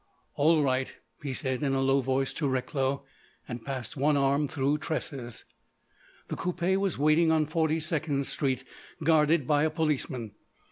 "All right," he said in a low voice to Recklow; and passed one arm through Tressa's. The coupé was waiting on Forty second Street, guarded by a policeman.